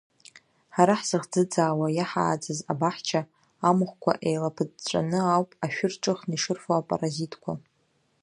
Ҳара ҳзыхӡыӡаауа иаҳааӡаз абаҳча, амахәқәа еилаԥыҵәҵәаны ауп ашәыр ҿыхны ишырфо апаразитқәа.